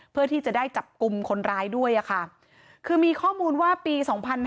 เพื่อที่จะได้จับกลุ่มคนร้ายด้วยค่ะคือมีข้อมูลว่าปี๒๕๕๙